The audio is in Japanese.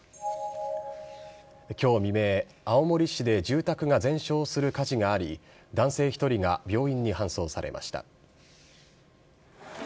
きょう未明、青森市で住宅が全焼する火事があり、男性１人が病院に搬送されました。